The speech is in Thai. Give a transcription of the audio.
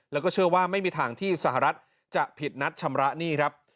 แล้วก็เชื่อว่าไม่มีทางที่สหรัฐจะผิดนัดชำระหนี้ครับ